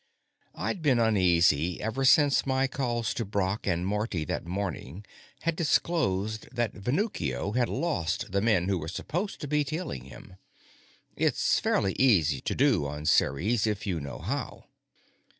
I'd been uneasy ever since my calls to Brock and Marty that morning had disclosed that Venuccio had lost the men who were supposed to be tailing him. It's fairly easy to do on Ceres, if you know how.